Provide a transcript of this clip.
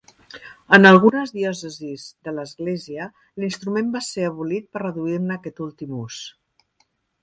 En algunes diòcesis de l'Església, l'instrument va ser abolit per reduir-ne aquest últim ús.